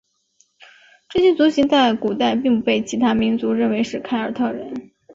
这些族群在古代并不被其他民族认为是凯尔特人。